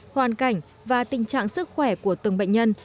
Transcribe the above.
hoàn cảnh và tình trạng sức khỏe của từng bệnh nhân